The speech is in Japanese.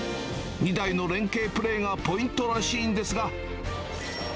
２台の連携プレーがポイントらしいんですが。